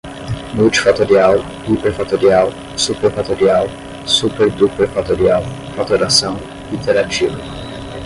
multifatorial, hiperfatorial, superfatorial, superduperfatorial, fatoração, iterativo